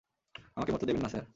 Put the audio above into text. আমাকে মরতে দেবেন না, স্যার।